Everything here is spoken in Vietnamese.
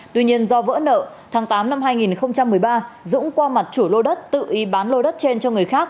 tuy nhiên do vỡ nợ tháng tám năm hai nghìn một mươi ba dũng qua mặt chủ lô đất tự y bán lô đất trên cho người khác